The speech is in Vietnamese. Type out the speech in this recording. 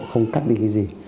không cắt đi cái gì